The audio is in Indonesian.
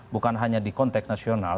bukan hanya di konteks nasional